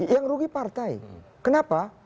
yang rugi partai kenapa